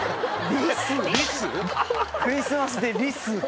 クリスマスでリス？